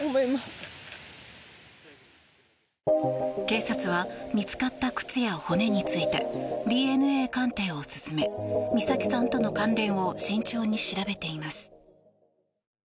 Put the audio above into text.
警察は見つかった靴や骨についてＤＮＡ鑑定を進め美咲さんとの関連を慎重に調べています。